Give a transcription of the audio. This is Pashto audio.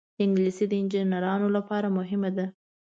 انګلیسي د انجینرانو لپاره مهمه ده